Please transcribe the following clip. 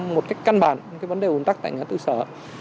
một cách căn bản những vấn đề ủn tắc tại ngã tư sở